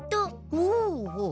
ほうほう。